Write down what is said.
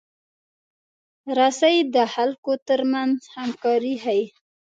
رسۍ د خلکو ترمنځ همکاري ښيي.